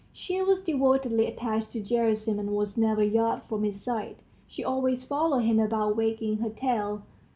She was devotedly attached to Gerasim, and was never a yard from his side; she always followed him about wagging her tail.